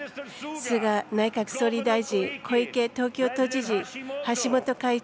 菅内閣総理大臣小池東京都知事、橋本会長。